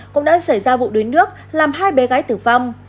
cũng đã xảy ra vụ đuối nước làm hai bé gái tử vong